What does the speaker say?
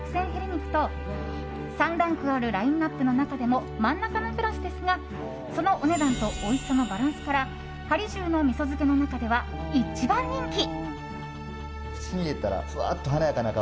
肉と３ランクあるラインアップの中でも真ん中のクラスですがそのお値段とおいしさのバランスからはり重の味噌漬けの中では一番人気。